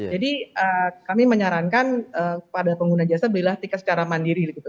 jadi kami menyarankan pada pengguna jasa belilah tiket secara mandiri gitu